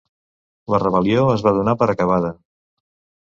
La rebel·lió es va donar per acabada.